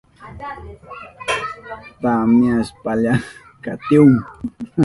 Tamyashpalla katihun.